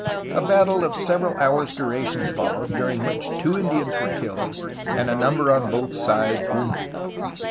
A battle of several hours' duration followed, during which two Indians were killed, and a number on both sides wounded.